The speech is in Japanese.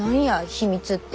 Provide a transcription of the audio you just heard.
秘密って。